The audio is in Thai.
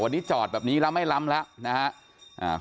วันนี้จอดแบบนี้ล้ำไม่ล้ำแล้วนะฮะ